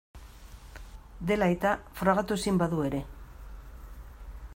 Dela aita, frogatu ezin badu ere.